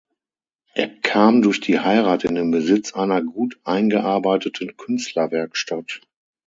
Er kam durch die Heirat in den Besitz einer gut eingearbeiteten Künstlerwerkstatt.